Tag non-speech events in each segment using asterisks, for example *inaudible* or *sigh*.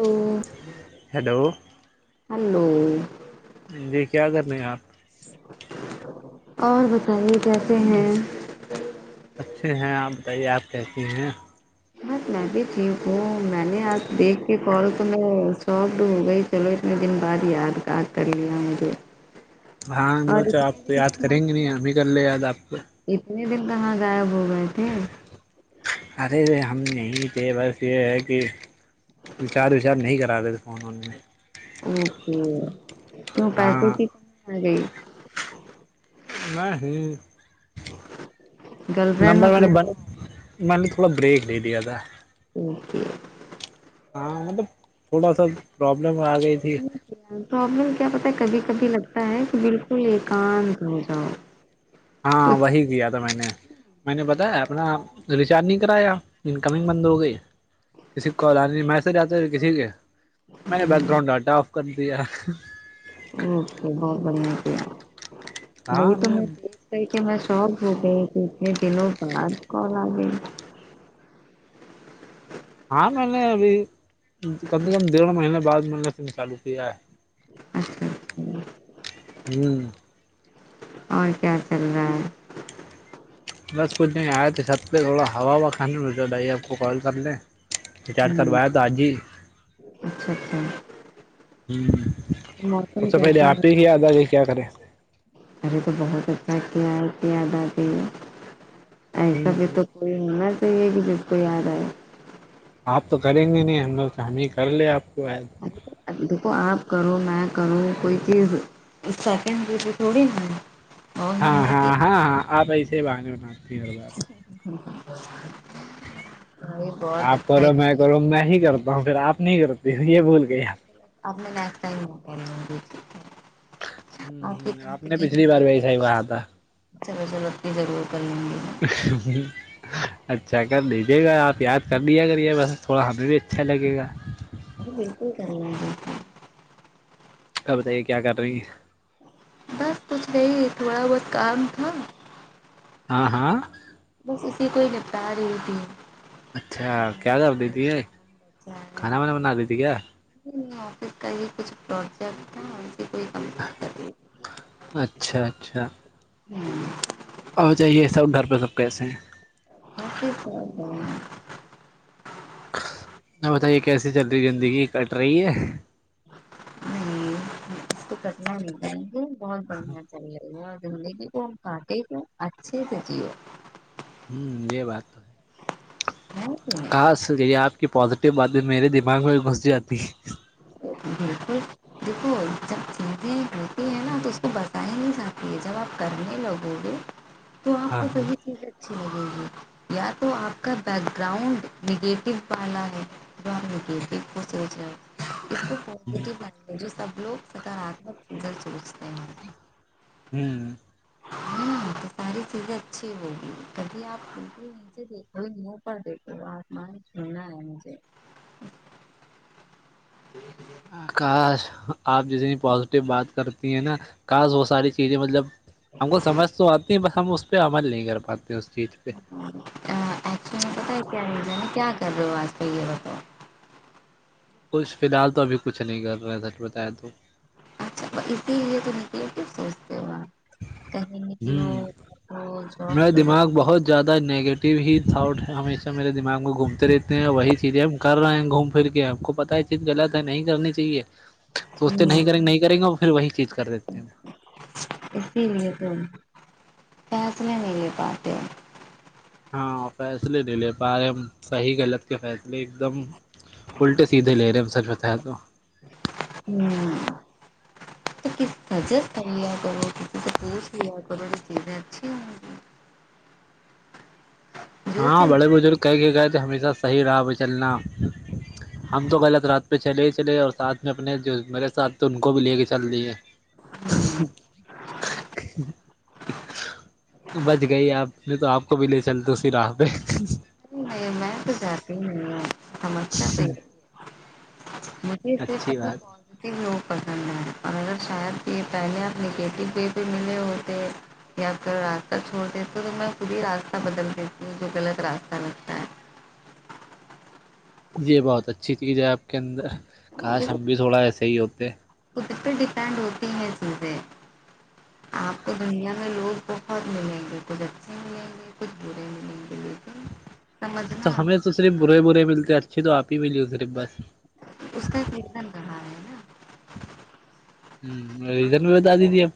hello hello hello جی کیا کرنے ہیں آپ *inaudible* اور بتائیے کیسے ہیں اچھے ہیں آپ بتائیے آپ کیسی ہیں ت میں بھی تھی وہ میں نے آپ دیکھ کے کال تو میں سافڈ ہو گئی تھی *unintelligible* چلو اتنے دن بعد یادار کر لیا مجھے ہاں ل اور تو آپ اتنے تو دن یاد کہاں کریں گے نہیں ہم ہی کر لے یاد آپ کو *unintelligible* اتنے دن کہاں غائب ہو گئے تھے ارے ہم نہیں تھے بس یہ ہے کہ وچار وچار نہیں کرا رہے تھے اوروں نے اوکے تو پیسے ہاں کی کمی آ گئی نہیں گرل فرینڈ نمبر میں م بن پورا *unintelligible* مل نے تھوڑا بریک ل دےیا تھا *unintelligible* اوک *unintelligible* ہاں مطلب تھوڑا سا پرابلم آ گئی تھی *unintelligible* پرابلم کیا پتا ہے کبھی کبھی لگتا ہے کہ بالکل ایکانت ہو جاؤ *unintelligible* ہاں کچھ وہی کیا تھا میں نے میں نے بتایا اپنا ریچارج نہیں کرایا انکمنگ بند ہو گئی کسی کال آنے میسج آتے تھ کسی کے میں نے بیک گراؤنڈ ڈٹا آف کر دیا اوکے بہت بڑھیا کیا وہی تو میں دیک کر کے میں شوق ہو گئی کہ اتنے دنوں بعد کال آ گئی ہاں میں نے ابھی کم سے کم ڈیڑھ مہینے بعد میں نے سم چالو کیا ہے اچھا اچھا ہوں اور کیا چل رہا ہے بس کچھ نہیں آیا تو سب سے تھوڑا ہوا و کھانے میںزر ڈائیے آپ کو کال کر لیں *unintelligible* رچارج ہ کروایا تھا جی اچھا اچھا ہ موسم اچھا پہلے کیسا ہے آپ ہی گیا تھا کیا کریں ارے تو بہت اچھا کیا ہے کیادب ہ ایسا بھی تو کوئی ہونا چاہیے کہ جب کو یا رہا ہے آپ تو کریں گے نہیں ہم لوگ تو ہم ہی کر لے آپ کو ایز دیکھو آپ کرو میں کرو کوئی چیز سیکنڈ روپ تھوڑی ہوی *unintelligible* ہاں ہاں ہاں ہاں آپ ایسے ہی بانے بناتی ہیں ہر بار *inaudible* آپ اچھا کرو میں کیا کرو میں ہی کرتا ہوں پھر آپ نہیں کرتی ہوں یہ بول کے ار اب نےسٹ ٹم *unintelligible* ہ ہ آپ نے پچھلی بار وی صا ہی کہا تھا *unintelligible* چلو چلو اپنی ضرور کر لیں گے گ ہ اچھا کر دیجیے گا آپ یاد کر لییے ا گگر یہ بس تھوڑا ہمیں بھی اچھا لگے گا وہ بالکل کر ل گ اب بتائیے کیا کر رہی ہے بس کچھ نہیں تھوڑا بہت کام تھا ہاں ہاں بس اسی کوئی نپٹا رہی ت ہیں اچھا کیا کر دی تھی کھانا وانا بنا دی تھی کیا نہیں نہیں آفس کا یہ کچھ پروجیکٹ تھا سے کوئی کمپلیٹ کر اچھا اچھا ہوں اور جائیے سب گھر پہ سب کیسے ہیں س س نہیں بتائیے کیسی چل رہی زندگی کٹ رہی ہے نہیں اس کو کٹیا نہیں جائیں گے بہت بڑھیا زندگی کو ہم کاٹے گ اچھے سے جیو ہوں یہ بات تو ہاں تو ہاص یہ آپ کی پوازیٹیو باتیں میرے دماغ میں بھی گھس جاتی ہے بالکل دیکھو چ بتے ہیں تو اس کو بتا ہی نہیں جاتی ہے جب آپ کرنے لگو گے تو آپ ہاں کو ہاں صی چیز اچھی لگے گی یا تو آپ کا بیک گراؤنڈ نگیٹو والا ہے بس اس کو پیو بن جو سب لوگ سکارمکل سوچتے ہیں ہوں ہے نا تو ساری چیزیں اچھی ہوگی کبھی آپ خ مجھے دیکئی م پر د وہ آپمان کرنا ہے مجھے جٹ کاش آپ جتنی پازیٹیو بات کرتی ہیں نا کاش وہ ساری چیزیں مطلب ہم کو سمجھ تو آتی ہے بس ہم اس پہ عمل نہیں کر پاتے اس چیز پہ ایکچولی میں پتا ہے کیا ریزن ہے کیا کر رہے ہو آج کاہ یہ بتاؤ کچھ فی الحال تو ابھی کچھ نہیں کر رہے سچ بتایا تو اچھا اسی لیے تو نکلیے کہ سوچتے ہو کہیں نکلو ہوں جاب میرا کرو دماغ بہت زیادہ نیگیٹیو ہی تھاٹ ہمیشہ میرے دماغ میں گھومتے رہتے ہیں اور وہی چیزیں ہم کر رہے ہیں گھوم پھر کے اب آ کو پتا ہے چیز غلط ہے نہیں کرنی چاہیے سوچتے نہیں ہمم کریں گے نہیں کریں گے وہ پھر وہی چیز کر دیتے ہیں اسی لیے تو فیسلے نہیں لے پاتے ہاں فیصلے نہیں لے پا رہے ہم صحیح غلط کے فیصلے ایک دم الٹے سیدھے لے رہے ہیں ب سچ بتایا تو ہ تو ک سجس تیا کر م تو پوچ بھی ہے ایک کی چیزیں ہوں گی جو ہاں چیز بڑے بزرگ کہ کے گئے تھے ہمیشہ صحیح رہا ب چلنا ہم تو غلط رات پہ چلے ہی چلے اور ساتھ میں اپنے جو میرے ساتھ تھے ان کو بھی لے کے چل دیے بچ گئی آپ نے تو آپ کو بھی لے چل دو اسی راہ پہ نہیں میں تو جاتی نہیں سمجھتا تو مجھے صرف اچھی بات پازیٹیو لوگ پسند ہے اور اگر شاید یہ پہلے اپ نکیت د بھی ملے ہوتے یا پھر راستہ چھوڑ دیتے تو میں خود ہی راستہ بدل دیتی ہوں جو غلط راہ کتا ہے یہی بہت اچھی چیز ہے آپ کے اندر کاش دیکھو ہم بھی تھوڑا ایسے ہی ہوتے خود پہ ڈیپینڈ ہوتی ہیں چیزیں آپ کو دنیا میں لوگ بہت ملیں گے کچھ اچھے ملیں گے کچھ برے ملیں گے لیکن تو سمجھنا آپ ہمیں تو صرف برے برے ملتے اچھے تو آپ ہی ملی ہو صرف بس اس کا ایک ندن رہا ہے نا ہ ریزلٹ بھی بتا دی تی اپ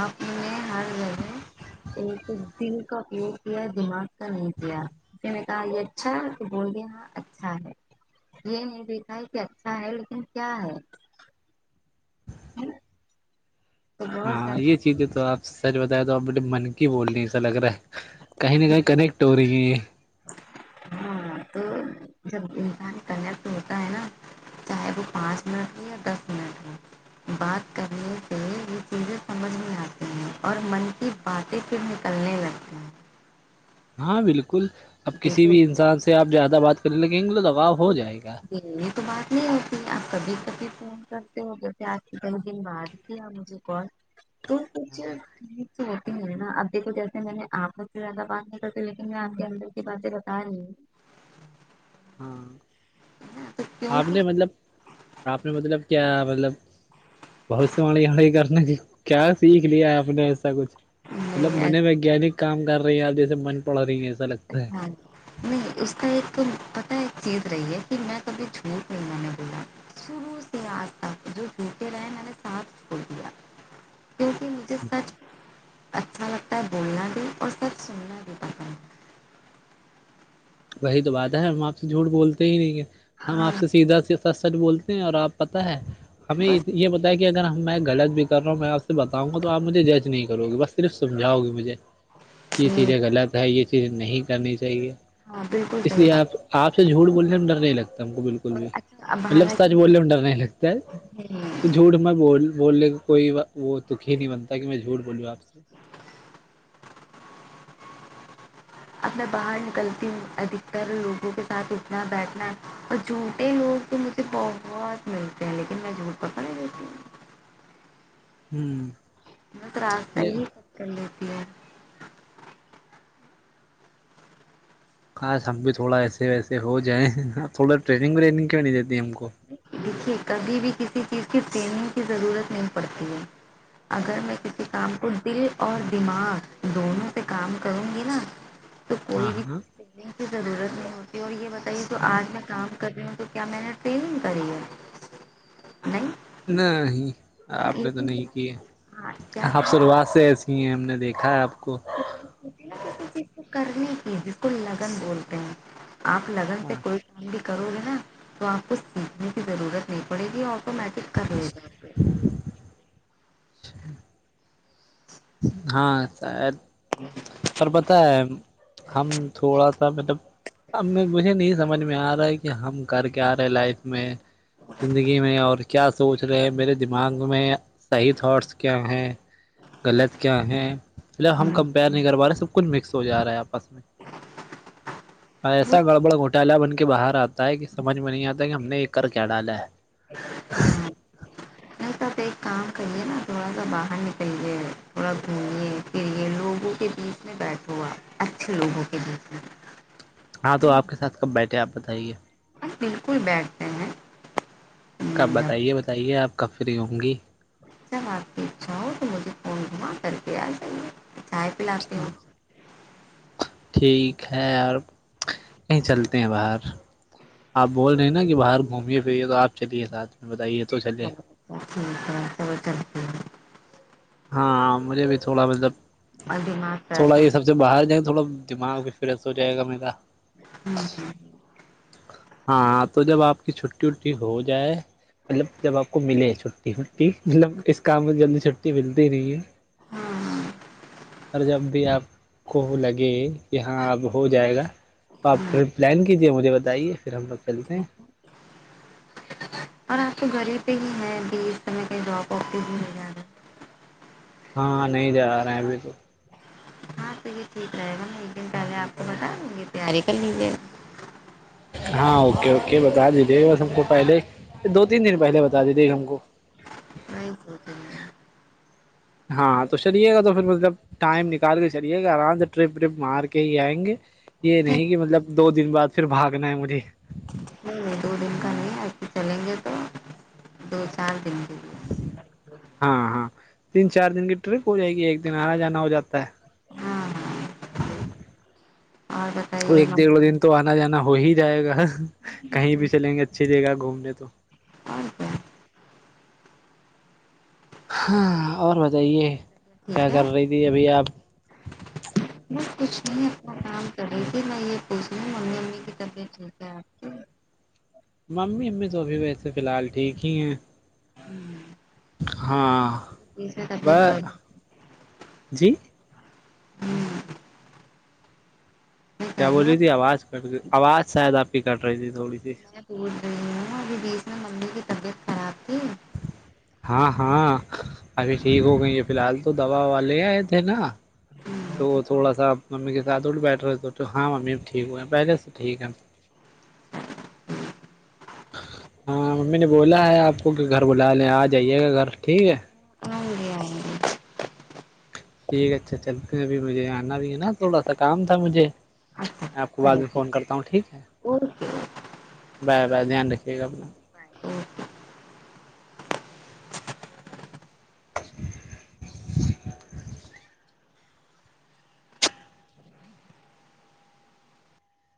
آپ نے ہر جگہ ایک دل کا اپیگ کیا دماغ کا نہیں کیا اس میں کہا یہ اچھا ہے تو بول دیا ہاں اچھا ہے یہ نہیں دیکھا ہے کہ اچھا ہے لیکن کیا ہے جی ہاں یہ چیزیں تو آپ سچ بتائے تو آپ بے من کی بولنی ایسا لگ رہا ہے کئی ن ک کنیکٹ ہو رہ ہاں تو جب انسان کرنا تو ہوتا ہے نا چاہے وہ پانچ منٹ ہو یا دس منٹ ہو بات کرنے سے یہ چیزیں سمجھ میں آتی ہیں اور من کی پٹی پھر نکلنے لگتی ہیں ہاں بالکل اب کسی دیکھو بھی انسان سے آپ زیادہ بات کرنے لگیں گے تو دگاؤ ہو جائے گا یہ تو بات نہیں ہوتی آپ کبھی کبھی فون کرتے ہو جیسے آج کے ک دن بعد کیا مجھے کال ہ تو ک ہوتی ہے نا ابھی تو جیسے میں نے آپس سے زیادہ بات نہیں کرتی لیکن میں آ کے اندر کی باتیں بتایا نہیں ہاں ہے نا، تو آپ نے کیونکہ مطلب آپ نے مطلب کیا مطلب بہت س مڑی ہڑی کرنے کی کیا سیکھ لیا آپ نے ایسا کچھ مطلب من میں ویگانک کام کر رہی ہیں آدی سے من پڑھ رہی ہیں ایسا لگتا ہے ہاں نہیں اس کا ایک تو پتا ایک چیز رہی ہے کہ میں کبھی جھوٹ نہیں میں نے بولا شروع سے آج تک جو ستے رہے میں نے ساتھ کھڑ دیا کی ے سچ اچھا لگتا ہے بولنا بھی اور سچ سننا بھی پتا ہے وہی تو بات ہے ہم آپ سے جھوٹ بولتے ہی نہیں ہے ہم ہاں آپ سے سیدھا س سچ بولتے ہیں اور آپ پتہ ہے ہمیں بس یہ پتا ہے کہ اگر ہم ب میں غلت بھی کر رہا ہوں میں آپ سے بتاؤں گا تو آپجھے جج نہیں کرو گی بس صرف سمجاؤ گی مجھے یہ چیزیں غلط ہے یہ چیزیں نہیں کرنی چاہیے ہاں بالکل اس صحیح لیے آپ بات آپ سے جھوٹ بولنے سے میں ڈر نہیں لگتا ہم کو بالکل اور بھی اچھا اب مطلب حالانکہ سچ بولنے میں ڈر نہیں لگتا ہے تو ہوں، جھوٹ میں ب بولنے کا کوئی وہ دکھ ہی نہیں بنتا کہ میں جھوٹ بولوں آپ سے اب میں باہر نکلتی ہوں ادھکتر لوگوں کے ساتھ اٹھنا بیٹھنا اور جھوٹے لوگ تو مجھے بہت ملتے ہیں لیکن میں جھوٹ پکڑ نہیں دیتی ہوں ہوں میں تو راستہ یہ ہی کب کر لیتی ہے خاس ہم بھی تھوڑا ایسے ویسے ہو جائیں تھوڑا ٹریننگ وریننگ کیوں نہیں دیتی ہم کو دیکھیے کبھی بھی کسی چیز کی ٹرینگ کی ضرورت نہیں پڑتی ہے اگر میں کسی کام کو دل اور دماغ دونوں سے کام کروں گی نا ج تو کوئی بھی چیز پیننگ کی ضرورت نہیں ہوتی اور یہ بتائیے جو آج میں کام کر رہی ہوں تو کیا میں نے پنگ کریر نہیں نہ ہی ہے نا آپ نے تو لیکن نہیں کیا کی تھا ہے ہاں کیا آپ تھا شروعات سے ایسی ہیں ہم نے دیکھ نا کسی چیز کو کرنے کی بالکل لگن بولتے ہیں آپ لگن سے کوئی کام بھی کرو گے نا تو آپ کو سیکھنے کی ضرورت نہیں پڑے گی آٹومیٹک کر لے گا *inaudible* ہ ہاں ساید اور پت ہے ہم تھوڑا سا مطلب مجھے نہیں سمجھ میں آ رہا ہے کہ ہم کر کے آ رہے ہیں لائف میں زندگی میں اور کیا سوچ رہے ہیں میرے دماغ میں صحیح تھاٹس کیا ہیں غلط کیا ہے ملب ہم ہوں، کمپیئر نہیں کر پا رہے سب کچھ مکس ہو جا رہا ہے آپس میں وہ ایسا گڑبڑ گھوٹالہ بن کے باہر آتا ہے کہ سمجھ میں نہیں آتا ہے کہ ہم نے ایک کر کیا ڈال ہے ایک ساتھ ایک کام کریے نا تھوڑا سا باہر نکلیے تھوڑا گھومے پھرے لوگوں کے بیچ میں بیٹھ ہوا اچھے لوگوں کے بیچ میں ہاں تو آپ کے ساتھ کب بیٹھے آپ بتائیے پ بالکل بیٹھتے ہیں کب جب بتائیے بتائیے آپ کب فری ہوں گی جب آپ کی اچھا ہو تو مجھے خون گھما کرکے آ جائیے چائے پلاتے ہ ہو ٹھیک ہے اور کہ چلتے ہیں باہر آپ بول نہیں نا کہ باہر گھومے پھرریے تو آپ چلیے ساتھ میں بتائیے تو چلے چلو ٹھیک ہے کرتی ہاں مجھے بھی تھوڑا مطلب الدی مست آ اس سے باہر جائیں تھوڑا دماغ بھی فریش ہو جائے گا میرا ہاں ہاں تو جب آپ کی چھٹی وٹی ہو جائے مطلب جب آپ کو ملے چ مطلب اس کام میں جلدی چھٹی ملتی نہیں ہے ہاں اور جب بھی آپ کو لگے کہ ہاں اب ہو جائے گا تو آپ ٹرپ پلان کیجیے مجھے ب جائیے پھر ہم لوگ چلتے ہیں اور آپ تو گری پہ ہی ہیں ا اس طرح کہیں جاب آفی بھی مل جائے ہاں نہیں جا رہے ہیں ابھی تو ہاں تو یہ ٹھیک رہے گا میں ایک دن پہلے آپ کو بتاؤں یہ تیاری کر لیجیے گا ہاں اوکے اوکے بتا دیجے گ بس ہم کو پہلے دو تین دن پہلے بتا دیجے ہم کو آئی تو ہاں تو چلیے گا تو پھر مطلب ٹائم نکال کے چلیے گا آرام سے ٹرپ ٹرپ مار کے ہی آئیں گے یہ نہیں کہ مطلب دو دن بعد پھر بھاگنا ہے مجھے نہیں نہیں دو دن کا نہیں آئی چلیں گے تو شان د ہ ہاں ہاں تین چار دن کی ٹرپ ہو جائے گی ایک دن آ رہا جانا ہو جاتا ہے ہاں ہاں *inaudible* اور بتائیے ایک ڈڑھ ممی دن تو آنا جانا ہو ہی جائے گا کہیں بھی چلیں گے اچھی جگہ گھومنے تو ہاں سا ہاں اور بتائیے کیا ٹھیک ہے کر رہی تھی ابھی آپ میں کچھ نہیں اپنا کام کر رہی تھی میں یہ پوچھ رہ ممیمی ا بھی ٹھیک ہے ممی امی تو ابھی ویسے فی الحال ٹھیک ہی ہیں ہاں کی جیسے وہ طبیعت گڑ جی میں کہہ کیا بول رہی تھی ہوں آواز کٹ آواز شاید آپ کی کٹ رہی تھی تھوڑی سی میں بول رہا ہوں اب بی اس میں مممی کی طبیعت خراب تھی ہاں ہاں ابھی ٹھیک ہو گئی ہے فی الحال تو دوا والا لے آئے تھے نا تو تھوڑا ساپ ممی کے ساتھ اٹھ بیٹھے ہو تو ہاں ممی اب ٹھیک ہوئے ہیں پہلے سے ٹھیک ہے ہاں امی نے بولا ہے آپ کو کہ گھر بلا لیں آ جائیے گا گھر ٹھیک ہے ہڈ آئی گے ٹھیک اچھا چل پ ابھی مجھے آنا بھی ہے نا تھوڑا سا کام تھا مجھے اچھا میں آپ کو بعد چلو میں ٹھیک فون کرتا ہوں ٹھیک ہے اوکے اوکے بائے بائے دھیان رکھیے گا اپنا بائے